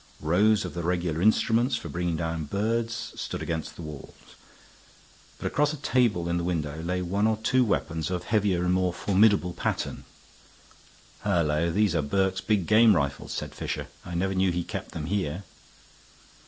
Rows of the regular instruments for bringing down birds stood against the walls; but across a table in the window lay one or two weapons of a heavier and more formidable pattern. "Hullo! these are Burke's big game rifles," said Fisher. "I never knew he kept them here."